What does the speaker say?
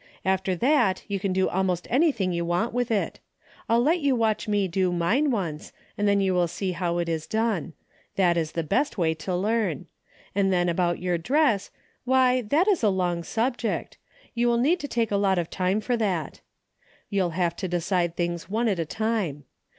After that you can do almost anything you want to with it. I'll let you watch me do mine once, and then you will see how it is done. That is the best way to learn. And then about your dress, why that is a long subject. You will need to take a lot of time for that. You'll have to decide things one at a time.